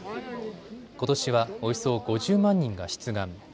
ことしはおよそ５０万人が出願。